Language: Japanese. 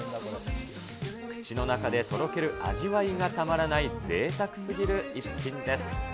口の中でとろける味わいがたまらないぜいたくすぎる逸品です。